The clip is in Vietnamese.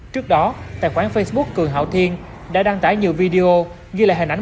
trước đó tài khoản facebook cường hảo thiên đã đăng tải nhiều video ghi lại hình ảnh